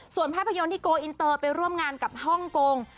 ส่วนภาพยนตร์ที่โกอินเตอร์ไปร่วมงานกับฮ่องกง